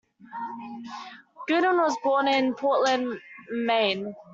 Godin was born in Portland, Maine.